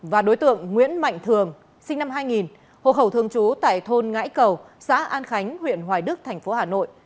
và đối tượng nguyễn mạnh thường sinh năm hai nghìn hộ khẩu thường trú tại thôn ngãi cầu xã an khánh huyện hoài đức thành phố hà nội